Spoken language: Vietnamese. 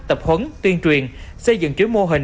tập huấn tuyên truyền xây dựng chứa mô hình